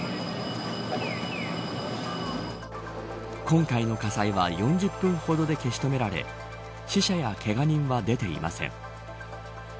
今回の火災は４０分ほどで消し止められ死者やけが人は出ていません。